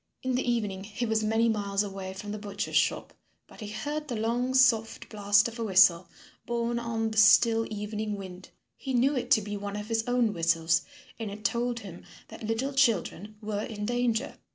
In the evening he was many miles away from the butcher's shop. But he heard the long soft blast of a whistle, borne on the still evening wind. He knew it to be one of his own whistles, and it told him that little children were in danger.